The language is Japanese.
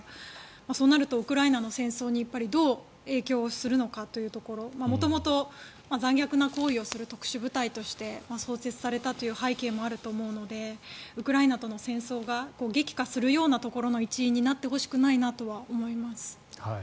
そうなるとウクライナの戦争にどう影響するのかというところ元々、残虐な行為をする特殊部隊として創設されたという背景もあると思うのでウクライナとの戦争が激化するようなところの一因になってほしくないなとは思います。